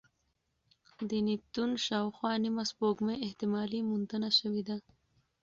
د نیپتون شاوخوا نیمه سپوږمۍ احتمالي موندنه شوې ده.